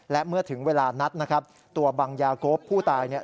และเมื่อถึงเวลานัดนะครับตัวบังยาโก๊ปผู้ตายเนี่ย